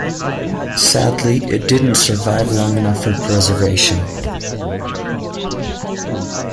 Sadly, it didn't survive long enough for preservation.